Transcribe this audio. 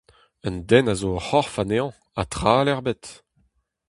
Un den a zo ur c'horf anezhañ ha tra all ebet.